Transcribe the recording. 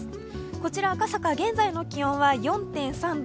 こちら赤坂、現在の気温は４．３度。